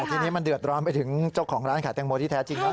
ทีนี้มันเดือดร้อนไปถึงเจ้าของร้านขายแตงโมที่แท้จริงแล้ว